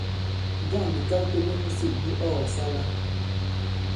Njâŋ bìkakto bi musik bi ɔ kɔ̀sala ?